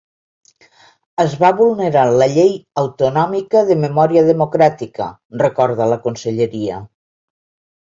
Es va vulnerar la llei autonòmica de memòria democràtica, recorda la conselleria.